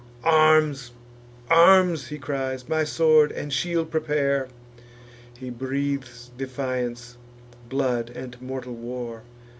"Arms! arms!" he cries: "my sword and shield prepare!" He breathes defiance, blood, and mortal war.